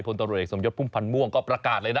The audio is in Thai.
ตำรวจเอกสมยศพุ่มพันธ์ม่วงก็ประกาศเลยนะ